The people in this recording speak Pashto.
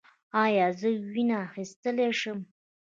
ایا زه وینه اخیستلی شم؟